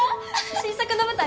新作の舞台